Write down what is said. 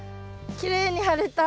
きれいに張れた。